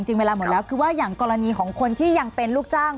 เวลาหมดแล้วคือว่าอย่างกรณีของคนที่ยังเป็นลูกจ้าง